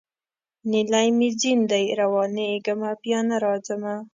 نیلی مي ځین دی روانېږمه بیا نه راځمه